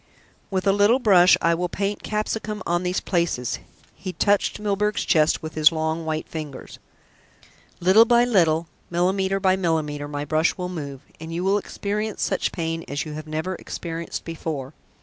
"With a little brush I will paint capsicum on these places." He touched Milburgh's chest with his long white ringers. "Little by little, millimetre by millimetre my brush will move, and you will experience such pain as you have never experienced before.